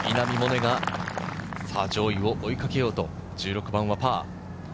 萌寧が上位を追いかけようと、１６番はパー。